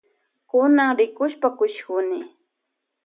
Kunan rikushpa kushikuni.